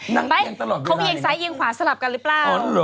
นางเอียงตลอดเวลานี้เขาเอียงซ้ายเอียงขวาสลับกันหรือเปล่า